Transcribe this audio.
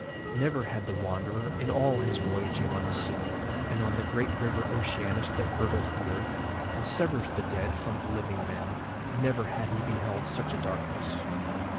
Never had the Wanderer in all his voyaging on the sea and on the great River Oceanus that girdles the earth, and severs the dead from the living men—never had he beheld such a darkness.